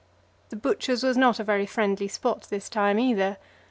The Butcher's was not a very friendly spot this time, either.